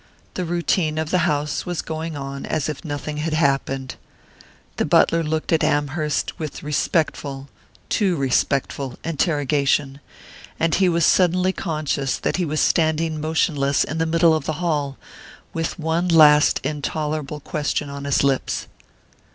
The routine of the house was going on as if nothing had happened.... The butler looked at Amherst with respectful too respectful interrogation, and he was suddenly conscious that he was standing motionless in the middle of the hall, with one last intolerable question on his lips.